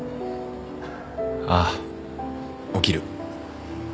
ああ起きる。